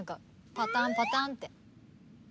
パタンパタンって。